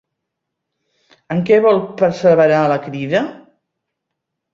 En què vol perseverar la Crida?